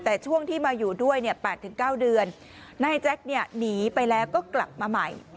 แต่ช่วงที่มาอยู่ด้วยเนี่ย๘๙เดือนนายแจ็คเนี่ยหนีไปแล้วก็กลับมาใหม่